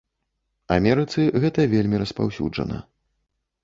Амерыцы гэта вельмі распаўсюджана.